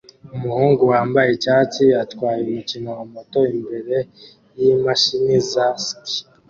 Umuhungu wambaye icyatsi atwara umukino wa moto imbere yimashini za ski